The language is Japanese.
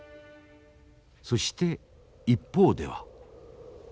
そして一方では。